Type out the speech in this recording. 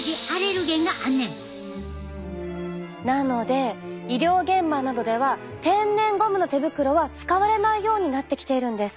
なので医療現場などでは天然ゴムの手袋は使われないようになってきているんです。